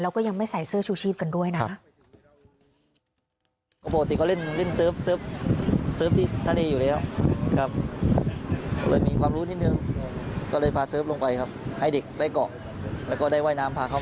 แล้วก็ยังไม่ใส่เสื้อชูชีพกันด้วยนะ